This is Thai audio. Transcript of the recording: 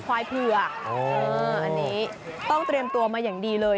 ควายเผือกอันนี้ต้องเตรียมตัวมาอย่างดีเลย